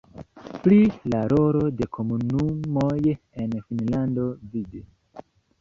Pri la rolo de komunumoj en Finnlando vd.